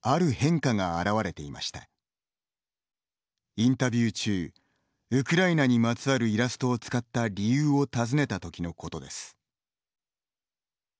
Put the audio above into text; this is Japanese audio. インタビュー中ウクライナにまつわるイラストを使った理由を尋ねた時のことです。